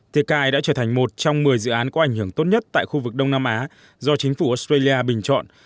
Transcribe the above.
tiki đã trở thành một trong một mươi dự án có ảnh hưởng tốt nhất tại khu vực đông nam á do chính phủ australia bình chọn